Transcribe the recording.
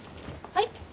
はい？